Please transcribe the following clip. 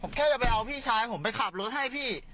ผมแค่จะไปเอาพี่ชายผมไปขับรถให้พี่